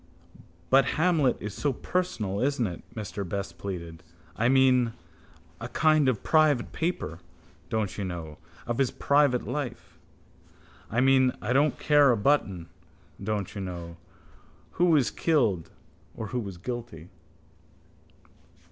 —But Hamlet is so personal, isn't it? Mr Best pleaded. I mean, a kind of private paper, don't you know, of his private life. I mean, I don't care a button, don't you know, who is killed or who is guilty...